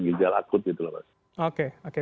ginjal akut gitu loh mas oke oke